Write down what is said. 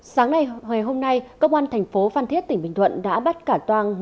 sáng nay hồi hôm nay công an thành phố phan thiết tỉnh bình thuận đã bắt cả toàn nguyễn anh